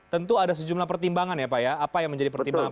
tentu ada sejumlah pertimbangan ya pak ya apa yang menjadi pertimbangan